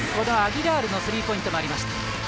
アギラールのスリーポイントもありました。